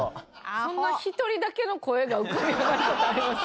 そんな一人だけの声が浮かび上がる事あります？